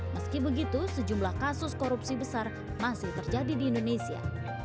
meski begitu sejumlah kasus korupsi besar masih terjadi di indonesia